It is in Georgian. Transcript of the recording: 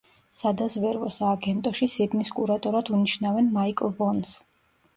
სადაზვერვო სააგენტოში სიდნის კურატორად უნიშნავენ მაიკლ ვონს.